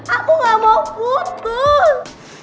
aku gak mau putus